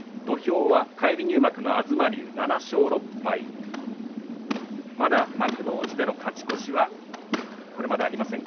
土俵は返り入幕の東龍、７勝６敗まだ幕内での勝ち越しはこれまでありません。